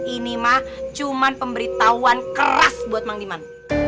ini mah cuman pemberitahuan keras buat mang liman